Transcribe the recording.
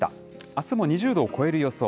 あすも２０度を超える予想。